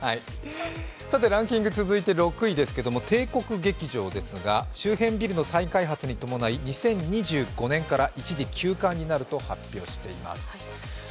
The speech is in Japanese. ランキング続いて６位ですけれども帝国劇場ですが周辺ビルの再開発に伴い２０２５年から一時休館になると発表しています。